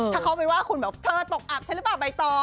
ถ้าเขาไปว่าคุณแบบเธอตกอับฉันหรือเปล่าใบตอง